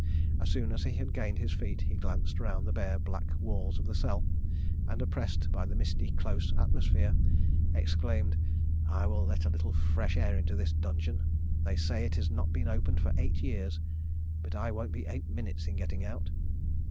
As soon as he had gained his feet, he glanced round the bare black walls of the cell, and, oppressed by the misty close atmosphere, exclaimed, 'I will let a little fresh air into this dungeon: they say it has not been opened for eight years, but I won't be eight minutes in getting out.'